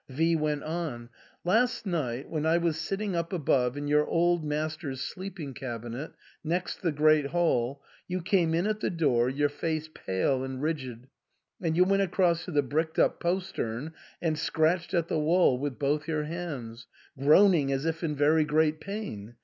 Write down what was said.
V went on, Last night, when I was sitting up above in your old master's sleeping cabinet next the great hall, you came in at the door, your face pale and rigid ; and you went across to the bricked up postern and scratched at the wall with both your hands, groaning as if in very great pain.